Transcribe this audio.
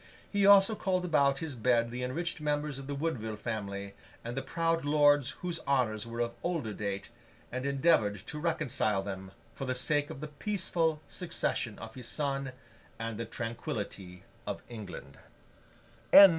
He also called about his bed the enriched members of the Woodville family, and the proud lords whose honours were of older date, and endeavoured to reconcile them, for the sake of the peaceful succession of his son and the tranquillity of England.